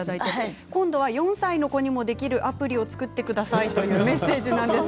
今度は４歳の子にもできるアプリ作ってくださいというメッセージです。